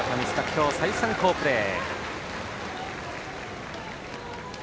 今日、再三好プレー。